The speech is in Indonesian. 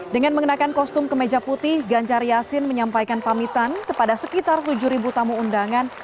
dengan mengenakan kostum kemeja putih ganjar yasin menyampaikan pamitan kepada sekitar tujuh tamu undangan